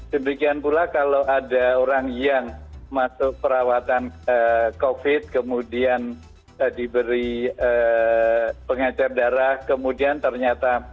demikian pula kalau ada orang yang masuk perawatan covid kemudian diberi pengecer darah kemudian ternyata